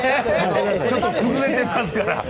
ちょっと崩れてますから。